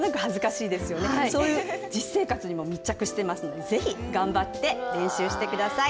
そういう実生活にも密着していますので是非頑張って練習して下さい。